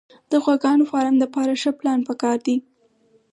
د غواګانو فارم دپاره ښه پلان پکار دی